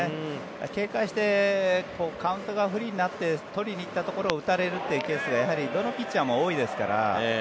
警戒してカウントが不利になって取りに行ったところを打たれるというケースがどのピッチャーも多いですから。